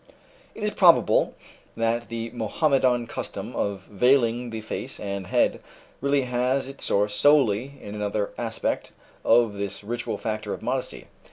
It is probable that the Mohammedan custom of veiling the face and head really has its source solely in another aspect of this ritual factor of modesty.